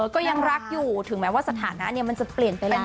ก็ยังรักอยู่ถึงแม้ว่าสถานะมันจะเปลี่ยนไปแล้ว